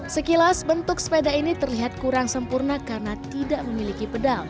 sekilas bentuk sepeda ini terlihat kurang sempurna karena tidak memiliki sepeda yang berbeda